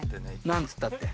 何つったって。